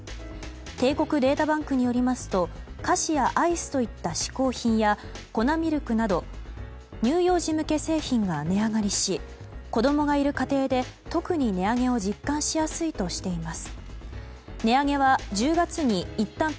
帝国データバンクによりますと菓子やアイスといった嗜好品や粉ミルクなど乳幼児向け製品が値上がりし子供がいる家庭で、特に値上げを実感しやすいとしています。